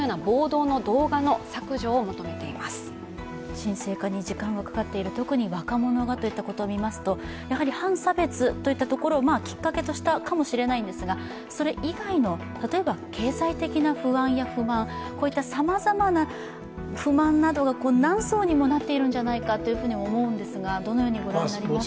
沈静化に時間がかかっている、特に若者がということを見ますと、やはり反差別といったところをきっかけとしたのかもしれませんがそれ以外の例えば経済的な不安や不満こういったさまざまな不満などが何層にもなっているんじゃないかと思うんですが、どのようにご覧になりますか？